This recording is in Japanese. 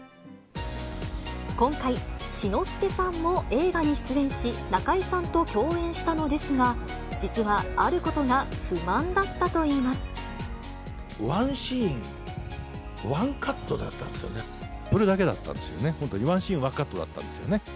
今回、志の輔さんも映画に出演し、中井さんと共演したのですが、実は、あることが不満だったといワンシーンワンカットだったんですよね。